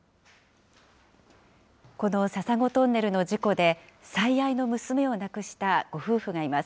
この笹子トンネルの事故で最愛の娘を亡くしたご夫婦がいます。